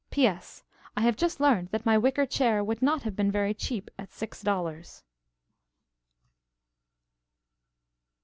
P.S. I have just learned that my wicker chair would not have been very cheap at six dollars.